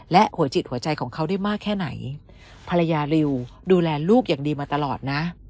และหัวจิตหัวใจของเขาได้มากแค่ไหนภรรยาริวดูแลลูกอย่างดีมาตลอดนะ